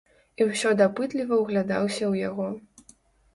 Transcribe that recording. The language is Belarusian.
І ўсё дапытліва ўглядаўся ў яго.